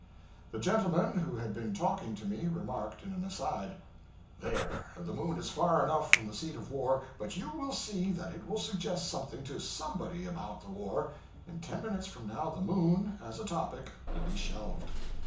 The gentleman who had been talking to me remarked in an 'aside:' 'There, the moon is far enough from the seat of war, but you will see that it will suggest something to somebody about the war; in ten minutes from now the moon, as a topic, will be shelved.'